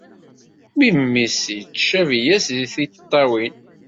Memmi-s yettcabi-as deg tiṭṭawin.